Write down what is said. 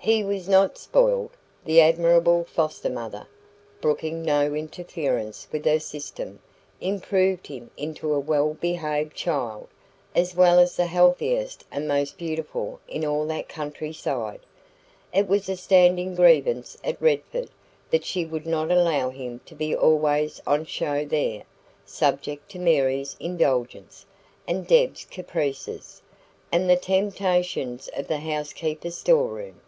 He was not spoiled. The admirable foster mother, brooking no interference with her system, improved him into a well behaved child, as well as the healthiest and most beautiful in all that countryside. It was a standing grievance at Redford that she would not allow him to be always on show there, subject to Mary's indulgence, and Deb's caprices, and the temptations of the housekeeper's store room.